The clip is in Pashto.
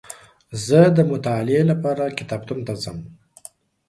زه دمطالعې لپاره کتابتون ته ځم